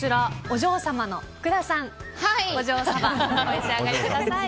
お嬢サバお召し上がりください。